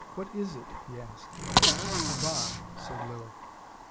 "What is it?" he asked. "A bomb," said Lilly.